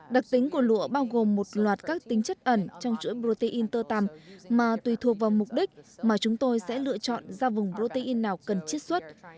đặc tính của lụa bao gồm một loạt các tính chất ẩn trong chuỗi protein tơ tằm mà tùy thuộc vào mục đích mà chúng tôi sẽ lựa chọn ra vùng protein nào cần chiết xuất